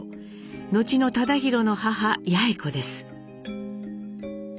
後の忠宏の母八詠子です。